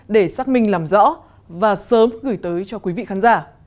để xác minh làm rõ và sớm gửi tới cho quý vị khán giả